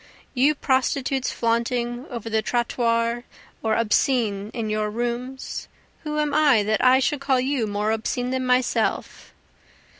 You prostitutes flaunting over the trottoirs or obscene in your rooms, Who am I that I should call you more obscene than myself?